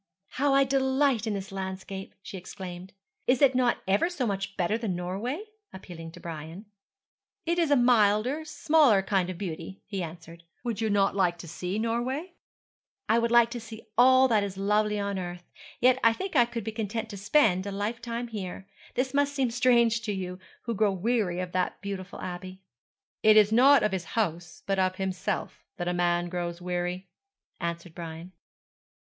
'How I delight in this landscape!' she exclaimed. 'Is it not ever so much better than Norway?' appealing to Brian. 'It is a milder, smaller kind of beauty,' he answered. 'Would you not like to see Norway?' 'I would like to see all that is lovely on earth; yet I think I could be content to spend a life time here. This must seem strange to you, who grow weary of that beautiful Abbey.' 'It is not of his house, but of himself, that a man grows weary,' answered Brian.